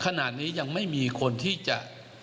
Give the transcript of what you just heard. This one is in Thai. ขณะนี้ยังไม่มีคนที่จะ